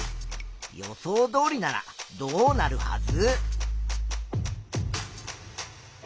予想どおりならどうなるはず？